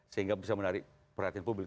sehingga bisa menarik perhatian publik